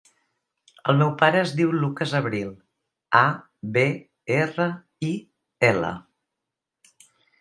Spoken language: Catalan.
El meu pare es diu Lucas Abril: a, be, erra, i, ela.